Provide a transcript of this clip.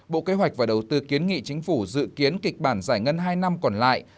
bộ kế hoạch và đầu tư kiến nghị chính phủ dự kiến kịch bản giải ngân hai năm còn lại